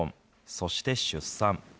そして出産。